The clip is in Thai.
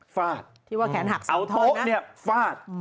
ฟาดเอาโต๊ะเนี่ยฟาด